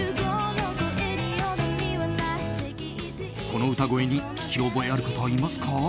この歌声に聞き覚えある方いますか？